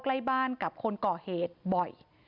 ใกล้บ้านกับคนก่อเหตุบ่อย